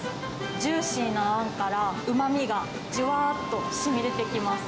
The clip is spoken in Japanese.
ジューシーなあんから、うまみがじゅわーっと、しみ出てきます。